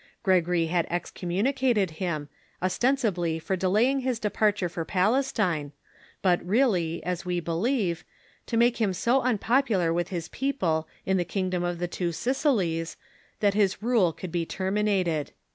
Gregory had excommunicated him, ostensibly for delaying his departure for Palestine, but really, as we believe, to make him so unpopular with his peo ple in the kingdom of the Two Sicilies that his rule could be terminated.